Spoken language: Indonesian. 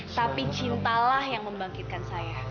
tapi cintalah yang membangkitkan saya